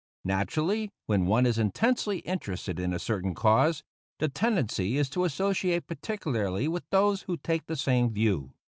Naturally, when one is intensely interested in a certain cause, the tendency is to associate particularly with those who take the same view.